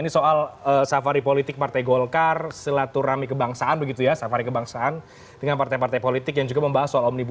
yang pertama tentu saya melihat golkar adalah partai yang mau back up pak jokowi